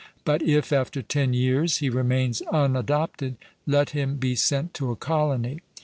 But if, after ten years, he remains unadopted, let him be sent to a colony.